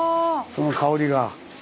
その香りが。